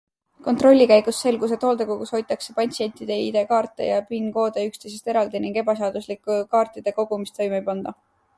Kontrolli käigus selgus, et hooldekodus hoitakse patsientide ID-kaarte ja PIN-koode üksteisest eraldi ning ebaseaduslikku kaartide kogumist toime ei panda.